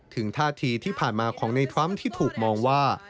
ท่าทีที่ผ่านมาของในทรัมป์ที่ถูกมองว่า